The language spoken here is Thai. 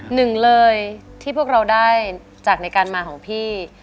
หนึ่งเลยที่พวกเราได้จากในการมาของพี่